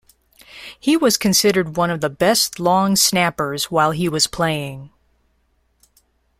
He was considered one of the best long snappers while he was playing.